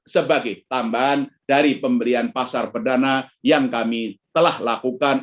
sebagai tambahan dari pemberian pasar perdana yang kami telah lakukan